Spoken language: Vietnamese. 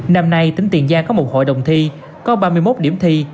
năm nay tỉnh tiền giang có một hội đồng thi có ba mươi một điểm thi